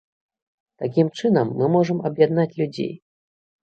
Такім чынам мы можам аб'яднаць людзей.